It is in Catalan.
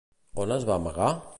On es va amagar?